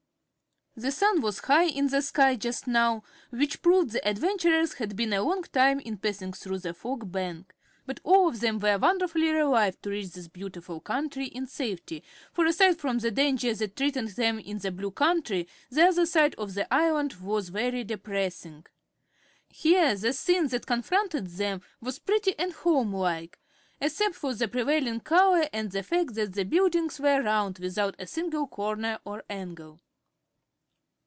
The sun was high in the sky, just now, which proved the adventurers had been a long time in passing through the Fog Bank. But all of them were wonderfully relieved to reach this beautiful country in safety, for aside from the danger that threatened them in the Blue Country, the other side of the island was very depressing. Here the scene that confronted them was pretty and homelike, except for the prevailing color and the fact that all the buildings were round, without a single corner or angle.